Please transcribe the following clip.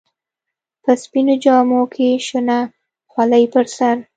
په سپينو جامو کښې شنه خولۍ پر سر.